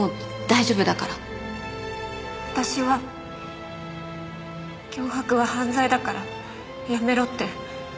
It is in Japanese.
私は脅迫は犯罪だからやめろって。